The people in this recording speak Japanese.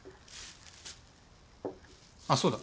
あっそうだ。